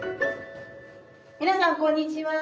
皆さんこんにちは。